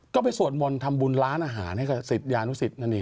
ก็ไปสวดมลทำบุญร้านอาหารให้กับสิทธิ์ยานุสิทธิ์นั่นเอง